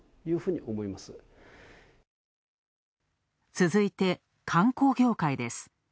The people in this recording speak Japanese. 続いて観光業界です。